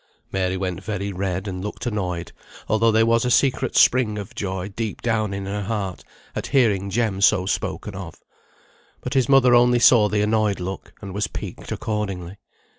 Mary went very red, and looked annoyed, although there was a secret spring of joy deep down in her heart, at hearing Jem so spoken of. But his mother only saw the annoyed look, and was piqued accordingly.